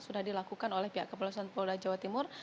sudah dilakukan oleh pihak kepolisian polda jawa timur